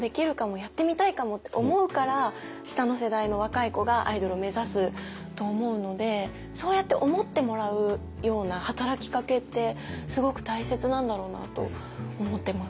やってみたいかも！って思うから下の世代の若い子がアイドルを目指すと思うのでそうやって思ってもらうような働きかけってすごく大切なんだろうなと思ってます。